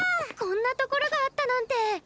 こんなところがあったなんて。